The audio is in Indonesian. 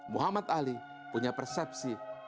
muhammad ali punya persepsi